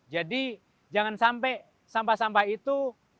jangan sampai sampah sampah itu